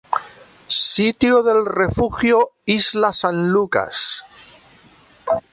Sitio del Refugio Isla San Lucas